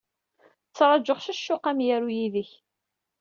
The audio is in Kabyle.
Ttṛajuɣ s ccuq amyaru yid-k.